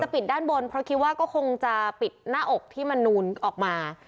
ปิดด้านบนเพราะคิดว่าก็คงจะปิดหน้าอกที่มนูนออกมา